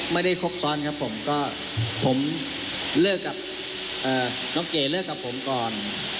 ไม่ได้ครบซ้อนครับผมก็ผมเลิกกับน้องเก๋เลิกกับผมก่อน